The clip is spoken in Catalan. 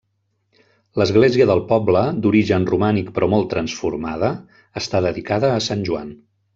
L'església del poble, d'origen romànic però molt transformada, està dedicada a sant Joan.